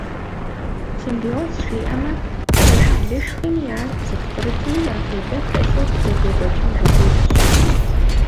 Симбиоз жиӏэмэ, фэшх-лышхми ар зыпкърытми я фейдэ хэлъу зэдекӏуэкӏын жыхуиӏэщ.